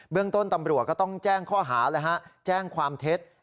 เรื่องต้นตำรวจก็ต้องแจ้งข้อหาแจ้งความเท็จ